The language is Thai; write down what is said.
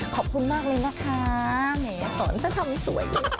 ขอบคุณมากเลยนะคะแหมสอนซะทำให้สวย